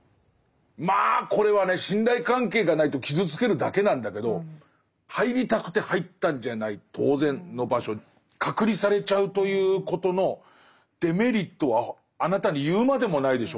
まあこれはね信頼関係がないと傷つけるだけなんだけど入りたくて入ったんじゃない当然の場所隔離されちゃうということのデメリットはあなたに言うまでもないでしょう。